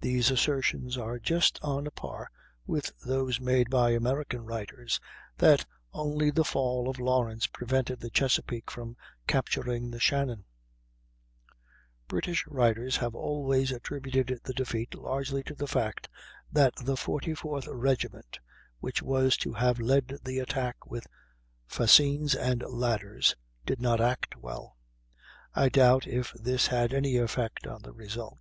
These assertions are just on a par with those made by American writers, that only the fall of Lawrence prevented the Chesapeake from capturing the Shannon. British writers have always attributed the defeat largely to the fact that the 44th regiment, which was to have led the attack with fascines and ladders, did not act well. I doubt if this had any effect on the result.